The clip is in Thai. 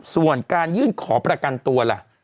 ส่วนการยื่นขอประกันตัวล่ะ